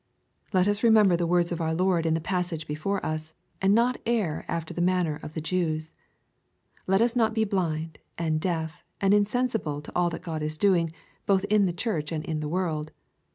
Let us remember the words of our Lord in the pas sage before us, and not err after the manner of the Jews. Let us not be blind, and deaf, and insensible to all that God is doing, both in the Church and in the world.